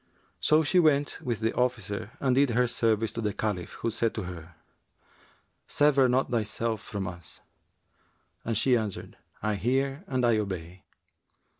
So she went with the officer and did her service to the Caliph, who said to her, 'Sever not thyself from us;'[FN#370] and she answered 'I hear and I obey.'